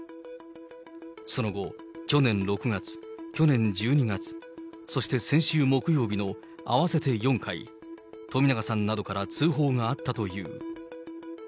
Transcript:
その後、去年６月、去年１２月、そして先週木曜日の合わせて４回、冨永さんなどから通報があったという。